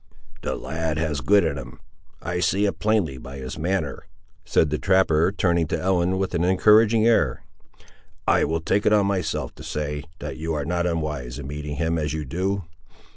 "The lad has good in him! I see it plainly by his manner;" said the trapper, turning to Ellen with an encouraging air; "I will take it on myself to say, that you are not unwise in meeting him, as you do.